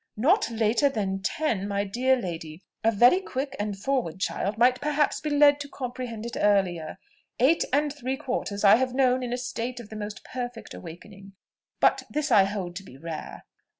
"Not later than ten, my dear lady. A very quick and forward child might perhaps be led to comprehend it earlier. Eight and three quarters I have known in a state of the most perfect awakening; but this I hold to be rare."